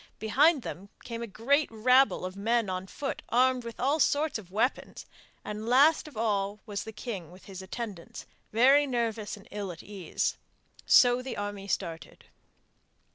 Behind them came a great rabble of men on foot armed with all sorts of weapons, and last of all was the king with his attendants, very nervous and ill at ease. So the army started.